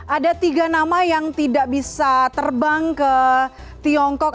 ada tiga nama yang tidak bisa terbang ke tiongkok